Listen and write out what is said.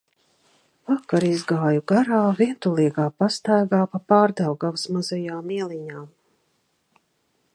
Vakar izgāju garā, vientulīgā pastaigā pa Pārdaugavas mazajām ieliņām.